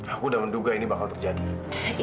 aku udah menduga ini bakal jadi hal yang berakhir